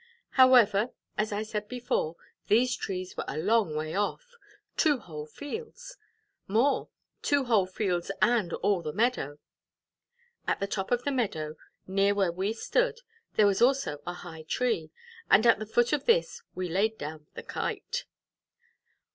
However, as I said before, these trees were a long way off two whole fields off more, two whole fields and all the meadow. At the top of the meadow, near where we stood, there was also a high tree, and at the foot of this we laid down the Kite.